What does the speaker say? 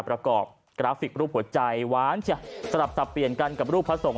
ประกอบกราฟิกรูปหัวใจหวานสลับสับเปลี่ยนกันกับรูปพระสงฆ